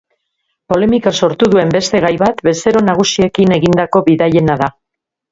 Polemika sortu duen beste gai bat bezero nagusiekin egindako bidaiena da.